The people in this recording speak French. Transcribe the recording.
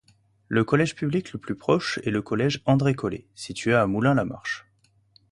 Le collège public le plus proche est le collège André-Collet, situé à Moulins-la-Marche.